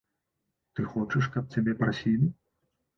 Ты хочаш, каб цябе прасілі?